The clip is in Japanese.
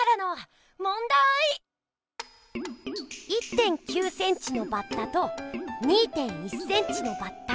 １．９センチのバッタと２．１センチのバッタ。